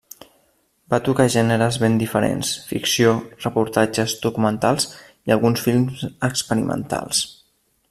Va tocar gèneres ben diferents: ficció, reportatges, documentals i alguns films experimentals.